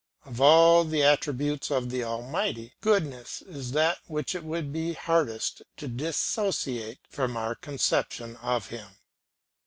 Of all the attributes of the Almighty, goodness is that which it would be hardest to dissociate from our conception of Him.